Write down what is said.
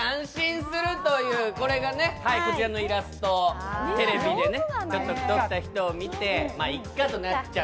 これがこちらのイラスト、テレビでちょっと太った人を見て、ま、いっかとなっちゃう。